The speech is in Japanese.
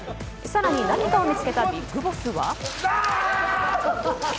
更に何かを見つけたビッグボスは。